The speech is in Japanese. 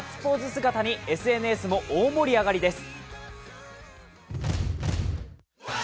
姿にＳＮＳも大盛り上がりです。